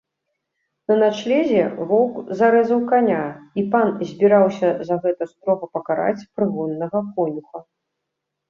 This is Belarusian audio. На начлезе воўк зарэзаў каня, і пан збіраўся за гэта строга пакараць прыгоннага конюха.